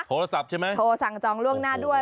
โทรศัพท์ใช่ไหมโทรสั่งจองล่วงหน้าด้วย